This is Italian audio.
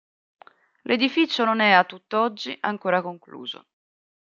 L'edificio non è a tutt'oggi ancora concluso.